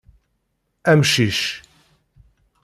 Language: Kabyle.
Amcic!